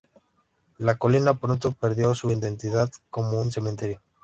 La colina pronto perdió su identidad como un cementerio.